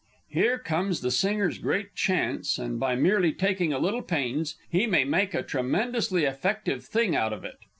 _ [_Here comes the Singer's great chance, and by merely taking a little pains, he may make a tremendously effective thing out of it.